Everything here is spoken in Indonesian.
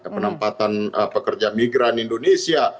penempatan pekerja migran indonesia